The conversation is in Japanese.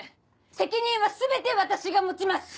責任は全て私が持ちます！